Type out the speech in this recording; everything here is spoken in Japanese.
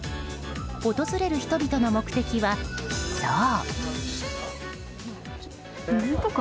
訪れる人々の目的は、そう。